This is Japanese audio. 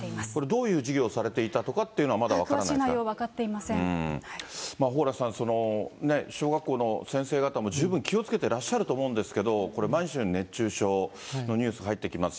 どういう授業をされていたとかっていうのは、まだ分からない詳しい内容は分かっていませ蓬莱さん、小学校の先生方も十分気をつけてらっしゃると思うんですけど、これ、毎日のように熱中症のニュース入ってきます。